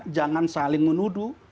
jangan saling menuduh